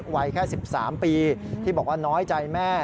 วัยแค่๑๓ปีที่บอกว่าน้อยใจแม่